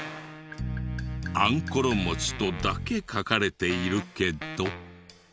「あんころ餅」とだけ書かれているけど。